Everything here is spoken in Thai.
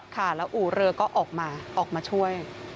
ค่ะแล้วอู่เรือก็ออกมาออกมาช่วย